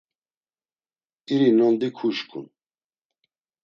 İri nondi kuşǩun.